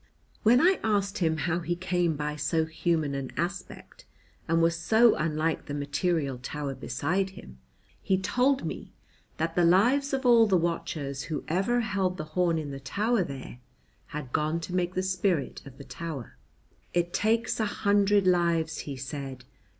When I asked him how he came by so human an aspect and was so unlike the material tower beside him he told me that the lives of all the watchers who had ever held the horn in the tower there had gone to make the spirit of the tower. "It takes a hundred lives," he said.